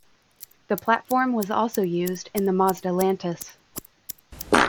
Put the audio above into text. The platform was also used in the Mazda Lantis.